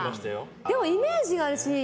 でもイメージがあるし